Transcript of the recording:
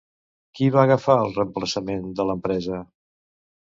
Qui va agafar el reemplaçament de l'empresa?